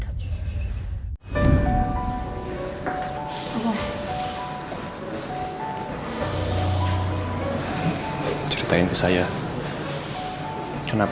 sekarang rumah nyini